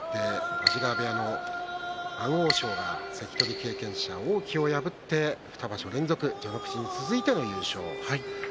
安治川部屋の安大翔は王輝を破って２場所連続序ノ口に続いての優勝です。